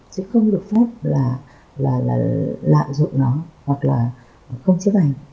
chứ không được phép là lạm dụng nó hoặc là không chấp hành